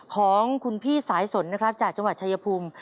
ของคุณพี่สายสนนะครับจากจังหวัดชายภูมิ